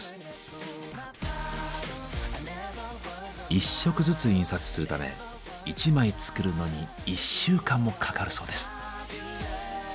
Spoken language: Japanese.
１色ずつ印刷するため１枚作るのに１週間もかかるそうです。